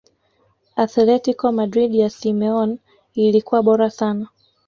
athletico madrid ya simeone ilikuwa bora sana